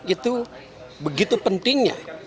itu begitu pentingnya